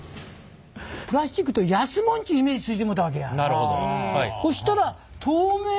プラスチックというと安もんちゅうイメージついてもうたわけや。